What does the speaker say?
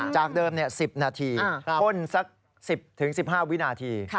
จากเดิม๑๐นาทีพ่นสัก๑๐๑๕วินาที